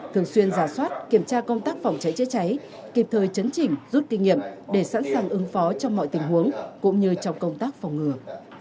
thường xuyên giả soát kiểm tra công tác phòng cháy chữa cháy kịp thời chấn chỉnh rút kinh nghiệm để sẵn sàng ứng phó trong mọi tình huống cũng như trong công tác phòng ngừa